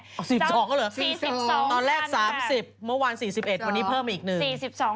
อ๋อ๔๒ก็เหรอ๔๒คันค่ะตอนแรก๓๐เมื่อวาน๔๑วันนี้เพิ่มอีกหนึ่ง